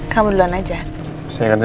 kamu istirahat ya